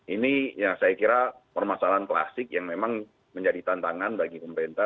ini saya kira permasalahan klasik yang memang menjadi tantangan bagi pemerintah